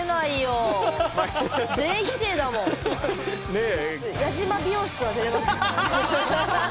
ねえ。